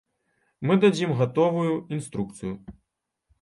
Мы дадзім гатовую інструкцыю.